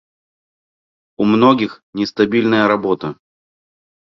У многих нестабильная работа.